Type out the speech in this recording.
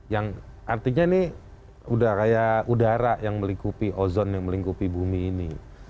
yang artinya ini udah kayak udara yang melingkupi ozon yang melingkupi bumi ini